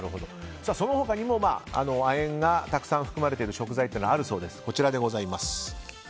その他にも亜鉛がたくさん含まれている食材はあるそうです。